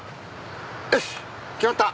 よし決まった。